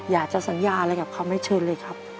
อยากจะสัญญาอะไรกับเขาไหมเชิญเลยครับ